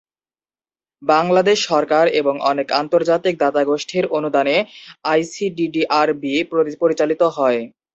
বাংলাদেশ সরকার এবং অনেক আন্তর্জাতিক দাতাগোষ্ঠীর অনুদানে আইসিডিডিআর, বি পরিচালিত হয়।